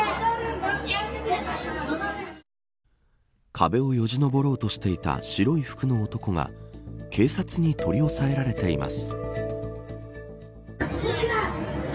壁をよじ登ろうとしていた白い服の男が警察に取り押さえられています。